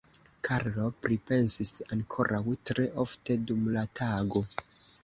Karlo pripensis ankoraŭ tre ofte dum la tago.